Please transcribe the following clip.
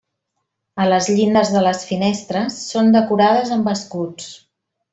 A les llindes de les finestres són decorades amb escuts.